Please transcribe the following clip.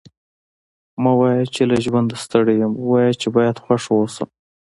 مه وايه! چي له ژونده ستړی یم؛ ووايه چي باید خوښ واوسم.